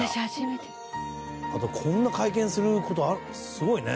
あとこんな会見する事すごいね！